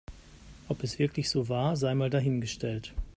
Ob es wirklich so war, sei mal dahingestellt.